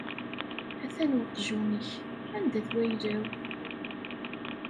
Atan weqjun-ik, anda-t wayla-w?